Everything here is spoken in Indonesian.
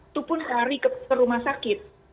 itu pun lari ke rumah sakit